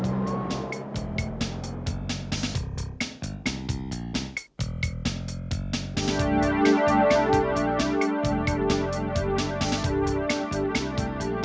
hukuman apapun yang terjadi kamu harus merilakan